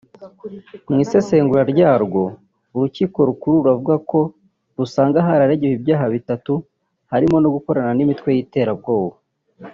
Mu isesengura ryarwo urukiko rukuru ruravuga ko rusanga hararegewe ibyaha bitatu birimo no gukorana n’imitwe y’iterabwoba